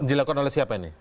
dilakukan oleh siapa ini